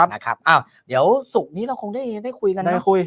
อ้าวเดี๋ยวศุกร์นี้เราคงได้คุยกันนะครับได้คุย